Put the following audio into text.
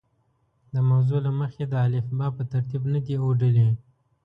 د موضوع له مخې د الفبا په ترتیب نه دي اوډلي.